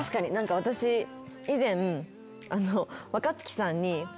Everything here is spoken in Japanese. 私以前。